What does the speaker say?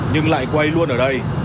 nhưng lại quay luôn ở đây